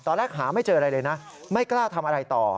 หาไม่เจออะไรเลยนะไม่กล้าทำอะไรต่อ